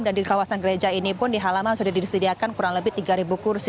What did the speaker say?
dan di kawasan gereja ini pun di halaman sudah disediakan kurang lebih tiga kursi